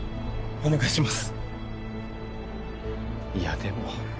お願いします